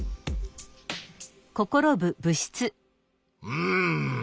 うん。